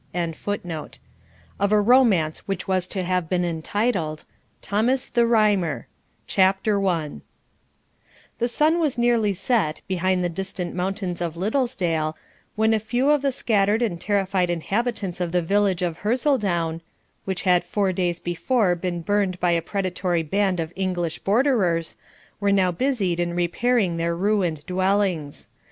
] OF A ROMANCE WHICH WAS TO HAVE BEEN ENTITLED THOMAS THE RHYMER CHAPTER I THE sun was nearly set behind the distant mountains of Liddesdale, when a few of the scattered and terrified inhabitants of the village of Hersildoune, which had four days before been burned by a predatory band of English Borderers, were now busied in repairing their ruined dwellings.